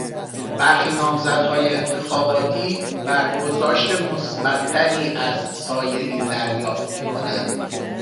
برخی نامزدهای انتخاباتیبرگذاشت مثبتتری از سایرین دریافت می کنند.